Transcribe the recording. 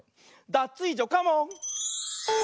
ダツイージョカモン！